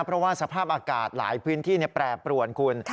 เพราะว่าสภาพอากาศหลายพื้นที่แปรปรวนคุณ